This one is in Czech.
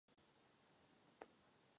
Komplet byl během služby modernizován.